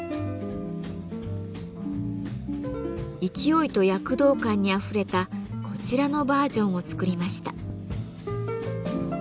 勢いと躍動感にあふれたこちらのバージョンを作りました。